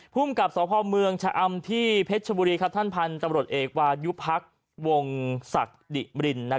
ภูมิกับสพเมืองชะอำที่เพชรชบุรีท่านพันธุ์ตำรวจเอกวายุพักวงศักดิมริน